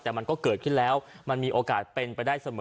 แต่มันก็เกิดขึ้นแล้วมันมีโอกาสเป็นไปได้เสมอ